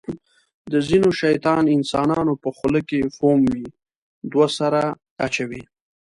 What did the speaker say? د ځینو شیطان انسانانو په خوله کې فوم وي. دوه سره اچوي.